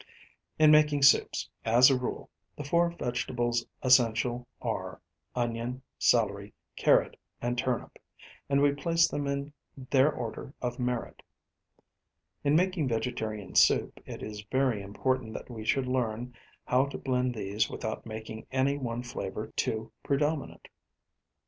In making soups, as a rule, the four vegetables essential are, onion, celery, carrot and turnip; and we place them in their order of merit. In making vegetarian soup it is very important that we should learn how to blend these without making any one flavour too predominant.